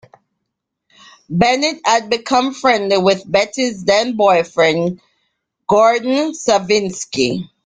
Bennett had become friendly with Betty's then boyfriend Gordon Savinski.